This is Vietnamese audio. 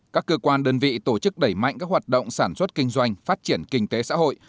các cơ quan đơn vị tổ chức đẩy mạnh các hoạt động sản xuất kinh doanh phát triển kinh tế xã hội